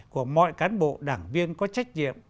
của mọi cán bộ đảng viên có trách nhiệm